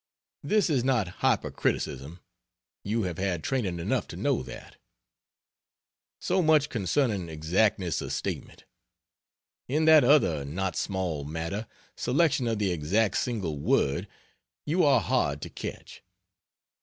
This is not hypercriticism; you have had training enough to know that. So much concerning exactness of statement. In that other not small matter selection of the exact single word you are hard to catch.